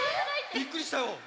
びっくりしたよ！